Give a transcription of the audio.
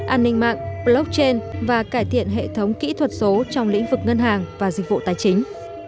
an ninh mạng blockchain và cải thiện hệ thống kỹ thuật số trong lĩnh vực ngân hàng và dịch vụ tài chính